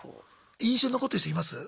印象に残ってる人います？